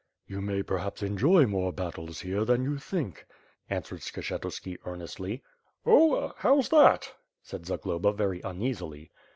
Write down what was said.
..." "You may perhaps enjoy more battles, here, than you think," answered Skshetuski earnestly. "Oh, how^s that?" said Zagloba very uneasily.